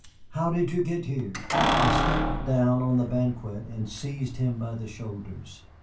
How did you get here?" I stepped down on the banquette and seized him by the shoulders.